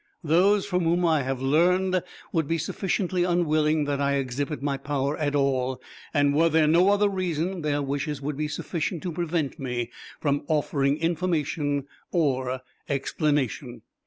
Those from whom I have learned would be sufficiently unwilling that I exhibit my power at all, and were there no other reason, their wishes would be sufficient to prevent me from offering information or explanation.